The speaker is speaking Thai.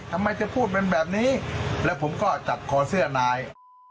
ทำไมจะพูดเป็นแบบนี้แล้วผมก็จับคอเสื้อนาย